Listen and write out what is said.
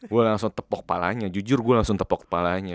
gue langsung tepok palanya jujur gue langsung tepok kepalanya